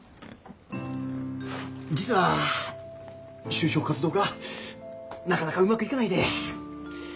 実は就職活動がなかなかうまくいかないで。